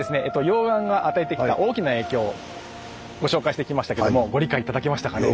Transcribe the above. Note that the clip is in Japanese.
溶岩が与えてきた大きな影響をご紹介してきましたけどもご理解頂けましたかね。